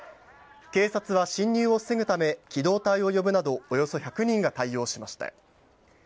警察は侵入を防ぐため機動隊を呼ぶなどおよそ１００人が対応しました。